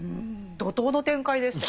怒とうの展開でしたよね。